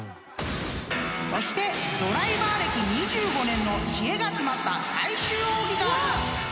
［そしてドライバー歴２５年の知恵が詰まった最終奥義が］